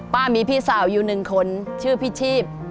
พี่มีพี่สาวอยู่หนึ่งคนชื่อพี่ชีพ